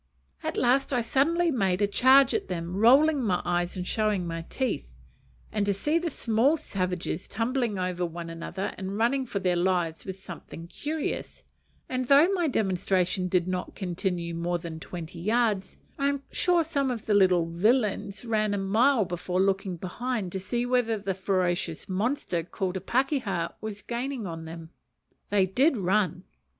At last I suddenly made a charge at them, rolling my eyes and showing my teeth; and to see the small savages tumbling over one another and running for their lives was something curious: and though my "demonstration" did not continue more than twenty yards, I am sure some of the little villains ran a mile before looking behind to see whether the ferocious monster called a pakeha was gaining on them. They did run!